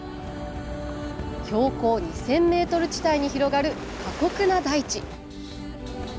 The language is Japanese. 標高２０００ｍ地帯に広がる過酷な大地。